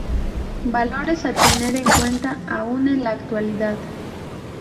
Valores a tener en cuenta aún en la actualidad.